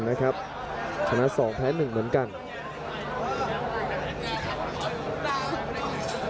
พยายามจะไถ่หน้านี่ครับการต้องเตือนเลยครับ